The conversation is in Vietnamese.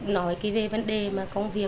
nói về vấn đề công việc